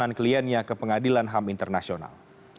dan menahan kliennya ke pengadilan ham internasional